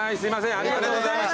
ありがとうございます。